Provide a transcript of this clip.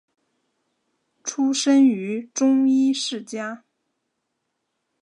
出生于中医世家。